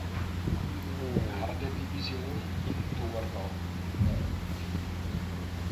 Gardedivision in Torgau.